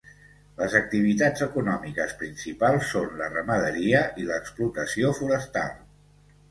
Les activitats econòmiques principals són la ramaderia i l'explotació forestal.